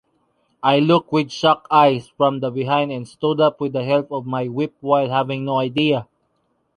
I looked with shocked eyes from the behind and stood up with the help of my whip while having no idea.